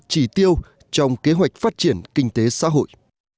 chỉ tiêu trong kế hoạch phát triển kinh tế xã hội